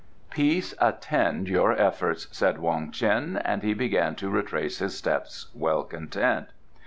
"Peace attend your efforts!" said Wong Ts'in, and he began to retrace his footsteps, well content.